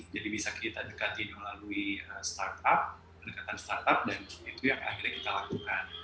jadi bisa kita dekatin yang lalui startup mendekatan startup dan itu yang akhirnya kita lakukan